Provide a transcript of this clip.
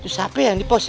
itu siapa yang di pos ya